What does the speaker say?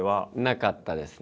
なかったですね。